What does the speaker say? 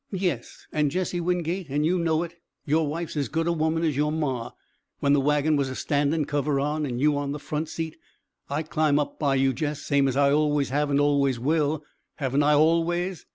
"Yes, and Jesse Wingate, and you know it, your wife's as good a woman as your maw! When the wagon was a standing, cover on, and you on the front seat, I climb up by you, Jess, same as I always have and always will. Haven't I always?